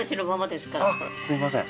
あっすいません